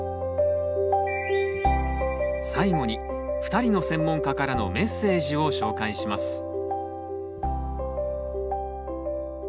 最後に２人の専門家からのメッセージを紹介します。